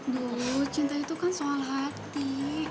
dulu cinta itu kan soal hati